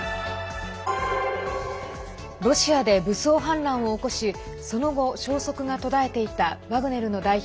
ロシアで武装反乱を起こしその後、消息が途絶えていたワグネルの代表